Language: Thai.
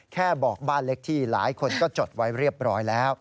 แค่บอกบ้านเล็กที่หลายคนก็จดไว้เรียบร้อยแล้ว